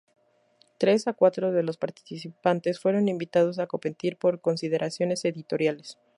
Tres a cuatro de los participantes fueron invitados a competir por consideraciones editoriales.